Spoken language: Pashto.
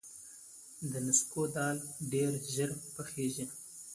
د نسکو دال ډیر ژر پخیږي.